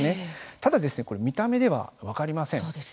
ただですね、これ見た目では分かりません。